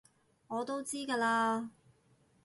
我都知㗎喇